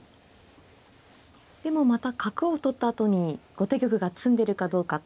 でもまた角を取ったあとに後手玉が詰んでるかどうかっていうのも。